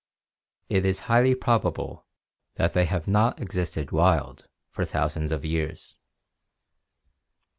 It is highly probable that they have not existed wild for thousands of years.